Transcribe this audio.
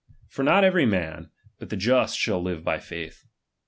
For not every man, but the jmt shall live by faith.